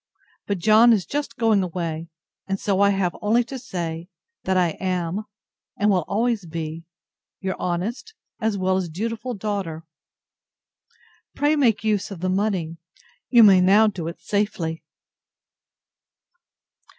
But John is just going away; and so I have only to say, that I am, and will always be, Your honest as well as dutiful DAUGHTER. Pray make use of the money. You may now do it safely.